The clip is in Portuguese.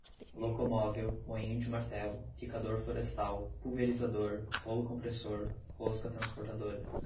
locomóvel, moinho de martelo, picador florestal, pulverizador, rolo compressor, rosca transportadora